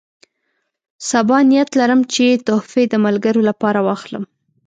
سبا نیت لرم چې تحفې د ملګرو لپاره واخلم.